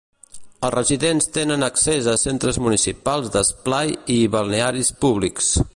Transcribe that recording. Els residents tenen accés a centres municipals d'esplai i balnearis públics.